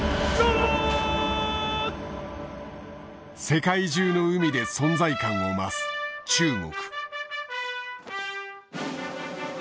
世界中の海で存在感を増す中国。